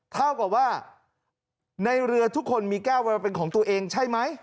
เท่ากับว่าในเรือทุกคนมีแก้วเวลาเป็นของตัวเองใช่ไหม